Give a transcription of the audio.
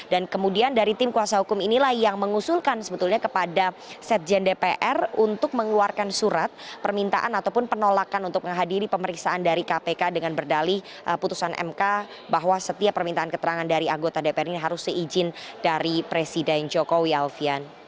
dan kemudian dari tim kuasa hukum inilah yang mengusulkan sebetulnya kepada setjen dpr untuk mengeluarkan surat permintaan ataupun penolakan untuk menghadiri pemeriksaan dari kpk dengan berdalih putusan mk bahwa setia permintaan keterangan dari anggota dpr ini harus seizin dari presiden joko wialfian